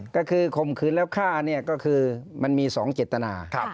ก็คือข่มขืนแล้วฆ่าเนี่ยก็คือมันมี๒เจตนา